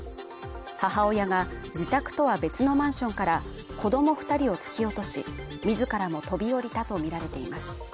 母親が自宅とは別のマンションから子ども二人を突き落とし自らも飛び降りたとみられています